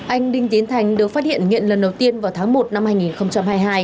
anh đinh tiến thành được phát hiện nghiện lần đầu tiên vào tháng một năm hai nghìn hai mươi hai